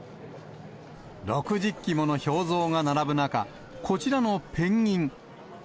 ６０基もの氷像が並ぶ中、こちらのペンギン。